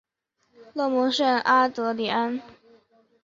勒蒙圣阿德里安。